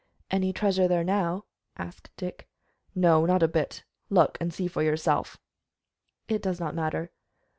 "Any treasure there now?" asked Dick. "No, not a bit; look and see for yourself." "It does not matter."